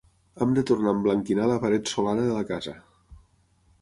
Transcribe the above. Hem de tornar a emblanquinar la paret solana de la casa.